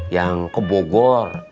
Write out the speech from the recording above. yang ke bogor